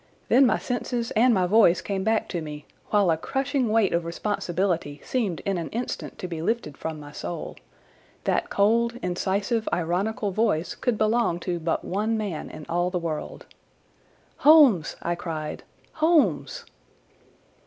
Then my senses and my voice came back to me, while a crushing weight of responsibility seemed in an instant to be lifted from my soul. That cold, incisive, ironical voice could belong to but one man in all the world. "Holmes!" I cried—"Holmes!"